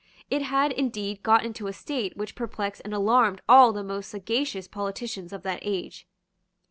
It had indeed got into a state which perplexed and alarmed all the most sagacious politicians of that age.